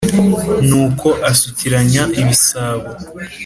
ni uko asukiranya ibisabo